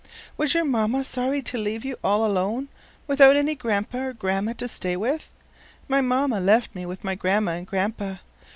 "Was your mamma sorry to leave you all alone, without any Grandpa or Grandma to stay with? My mamma left me with my Grandma and Grandpa.